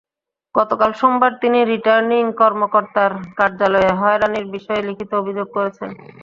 গতকাল সোমবার তিনি রিটার্নিং কর্মকর্তার কার্যালয়ে হয়রানির বিষয়ে লিখিত অভিযোগ করেছেন।